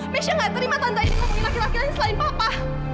mesya gak terima tante aini ngomongin laki laki lain selain papa